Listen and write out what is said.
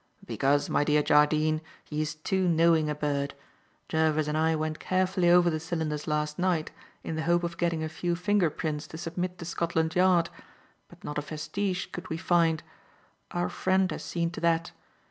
"Because, my dear Jardine, he is too knowing a bird. Jervis and I went carefully over the cylinders last night in the hope of getting a few finger prints to submit to Scotland Yard; but not a vestige could we find. Our friend had seen to that.